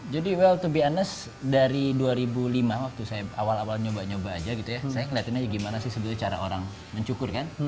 jadi well to be honest dari dua ribu lima waktu saya awal awal nyoba nyoba aja gitu ya saya ngeliatin aja gimana sih sebetulnya cara orang mencukur kan